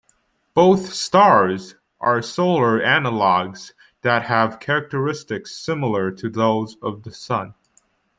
Both stars are solar analogs that have characteristics similar to those of the Sun.